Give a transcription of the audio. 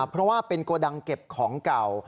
เพราะว่าเป็นโกดังเก็บของเก่า